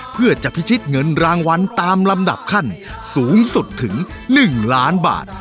เพื่อจะพิชิตเงินรางวัลตามลำดับขั้นสูงสุดถึง๑ล้านบาท